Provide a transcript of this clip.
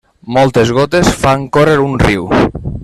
Moltes gotes fan córrer un riu.